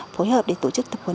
phối hợp để tổ chức tập huấn